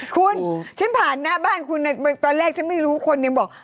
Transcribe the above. คุณฉันผ่านหน้าบ้านคุณตอนแรกฉันไม่รู้คนยังบอก